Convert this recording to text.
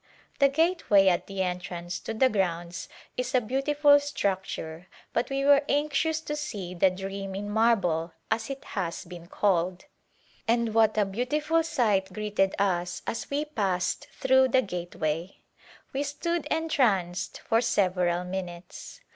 The gateway at the entrance to the grounds is a beautiful structure but we were anxious to see the " Dream in Marble " as it has been called, and what a beautiful sight greeted us as we passed through the gateway ! We stood entranced for several minutes.